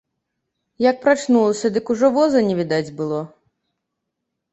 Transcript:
Як прачнулася, дык ужо воза не відаць было.